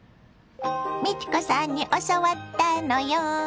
美智子さんに教わったのよ。